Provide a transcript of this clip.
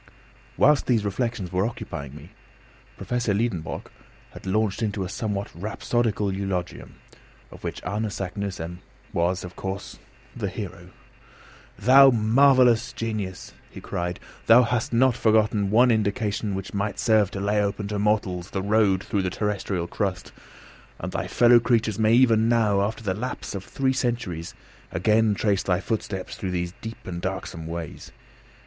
Whilst these reflections were occupying me, Professor Liedenbrock had launched into a somewhat rhapsodical eulogium, of which Arne Saknussemm was, of course, the hero. "Thou marvellous genius!" he cried, "thou hast not forgotten one indication which might serve to lay open to mortals the road through the terrestrial crust; and thy fellow creatures may even now, after the lapse of three centuries, again trace thy footsteps through these deep and darksome ways.